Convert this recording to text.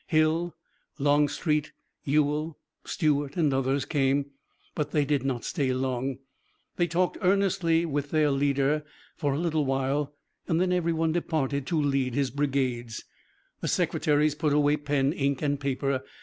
Hill, Longstreet, Ewell, Stuart and others came, but they did not stay long. They talked earnestly with their leader for a little while, and then every one departed to lead his brigades. The secretaries put away pen, ink and paper.